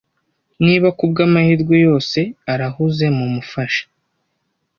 Niba kubwamahirwe yose arahuze, mumufashe.